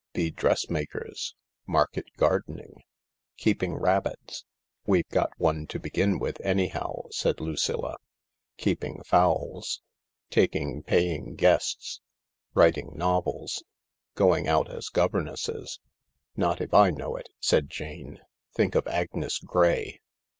Be dressmakers. Market gardening. Keeping rabbits ("We've got one to begin with, anyhow,'' said Lucilla) . Keeping fowls. Taking paying guests. Writ ing novels. Going out as governesses (" Not if I know it," said Jane. "Think of Agnes Gray").